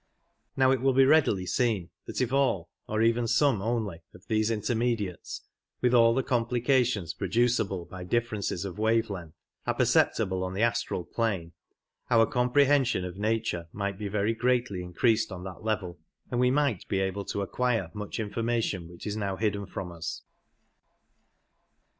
Now it will readily be seen that if all, or even some only, of these intermediates, with all the complications producible by differences of wave length, are perceptible on the astral plane, our comprehension of nature might be very greatly increased on that level, and we might be able to acquire much information which is now hidden from us.